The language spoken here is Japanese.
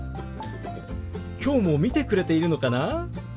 きょうも見てくれているのかな？